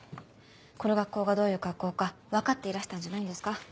この学校がどういう学校か分かっていらしたんじゃないんですか？